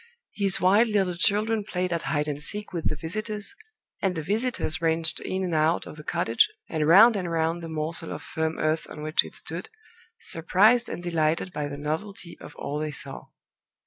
His wild little children played at hide and seek with the visitors; and the visitors ranged in and out of the cottage, and round and round the morsel of firm earth on which it stood, surprised and delighted by the novelty of all they saw.